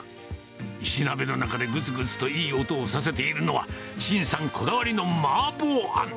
石鍋の中でぐつぐつといい音をさせているのは、陳さんこだわりのマーボーあん。